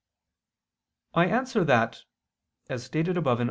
I answer that, As stated above (A.